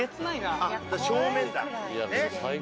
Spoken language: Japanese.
あっ正面だ。